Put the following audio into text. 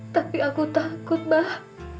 tapi aku takut mbak